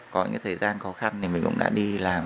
có những thời gian khó khăn thì mình cũng đã đi làm